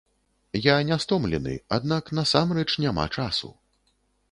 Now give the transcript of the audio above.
Я не стомлены, аднак насамрэч няма часу.